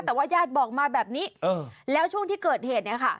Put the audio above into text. แต่ว่าญาติบอกมาแบบนี้แล้วช่วงที่เกิดเหตุเนี่ยค่ะ